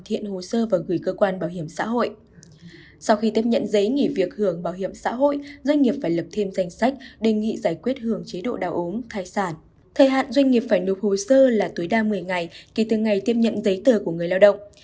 thời hạn doanh nghiệp phải nộp hồ sơ là tối đa một mươi ngày kỳ từ ngày tiếp nhận giấy tờ của người lao động